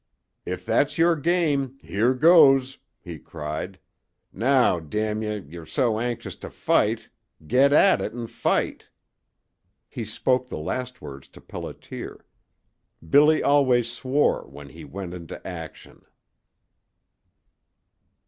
"If that's your game, here goes," he cried. "Now, damn y', you're so anxious to fight get at it 'n' fight!" He spoke the last words to Pelliter. Billy always swore when he went into action.